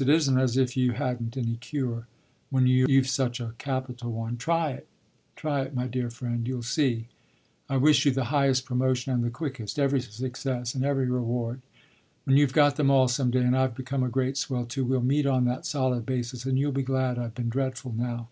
It isn't as if you hadn't any cure when you've such a capital one. Try it, try it, my dear friend you'll see! I wish you the highest promotion and the quickest every success and every reward. When you've got them all, some day, and I've become a great swell too, we'll meet on that solid basis and you'll be glad I've been dreadful now."